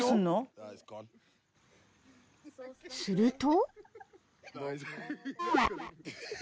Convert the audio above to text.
［すると］